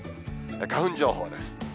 花粉情報です。